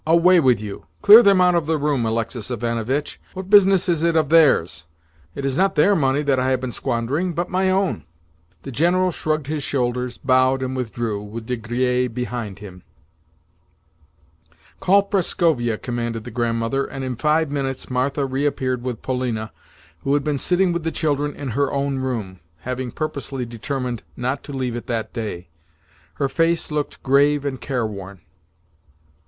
"Away with you! Clear them out of the room, Alexis Ivanovitch. What business is it of theirs? It is not their money that I have been squandering, but my own." The General shrugged his shoulders, bowed, and withdrew, with De Griers behind him. "Call Prascovia," commanded the Grandmother, and in five minutes Martha reappeared with Polina, who had been sitting with the children in her own room (having purposely determined not to leave it that day). Her face looked grave and careworn.